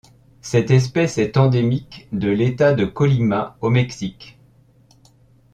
Cette espèce est endémique de l'État de Colima au Mexique.